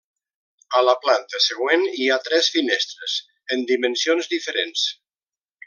A la planta següent hi ha tres finestres en dimensions diferents.